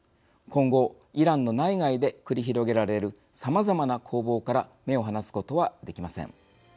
今後、イランの内外で繰り広げられるさまざまな攻防から目を離すことはできません。